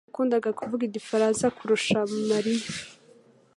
yakundaga kuvuga igifaransa kurusha Mariya